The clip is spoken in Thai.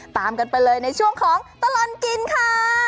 ตามกันไปเลยในช่วงของตลอดกินค่ะ